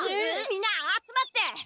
みんな集まって！